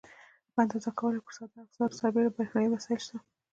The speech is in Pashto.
په اندازه کولو کې پر ساده افزارو سربېره برېښنایي وسایل شته.